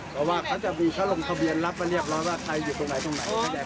เพราะว่าเขาจะมีเขาลงทะเบียนรับมาเรียบร้อยว่าใครอยู่ตรงไหนตรงไหน